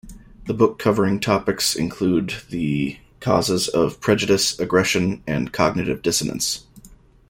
The book covering topics include the causes of prejudice, aggression, and cognitive dissonance.